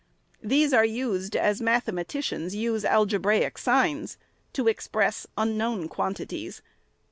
These are used, as mathematicians use algebraic signs, to express unknown quantities.